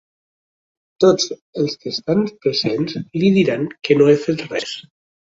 Tots els que estan presents li diran que no he fet res.